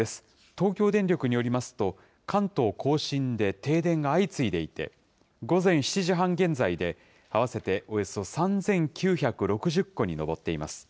東京電力によりますと、関東甲信で停電が相次いでいて、午前７時半現在で、合わせておよそ３９６０戸に上っています。